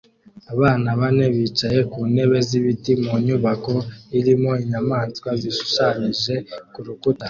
Abana bane bicaye ku ntebe z'ibiti mu nyubako irimo inyamaswa zishushanyije ku rukuta